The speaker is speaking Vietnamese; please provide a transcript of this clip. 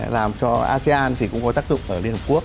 làm cho asean thì cũng có tác dụng ở liên hợp quốc